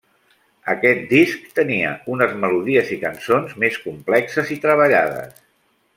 Aquest disc tenia unes melodies i cançons més complexes i treballades.